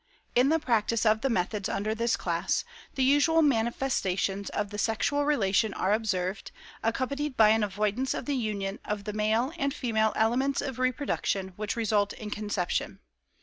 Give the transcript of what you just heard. In the practice of the methods under this class, the usual manifestations of the sexual relation are observed, accompanied by an avoidance of the union of the male and female elements of reproduction which result in conception.